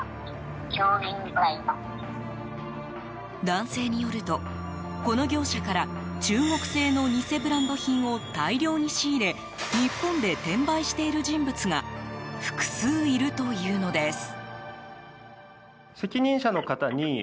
男性によると、この業者から中国製の偽ブランド品を大量に仕入れ日本で転売している人物が複数いるというのです。